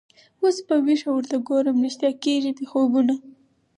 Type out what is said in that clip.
اوس په ویښه ورته ګورم ریشتیا کیږي مي خوبونه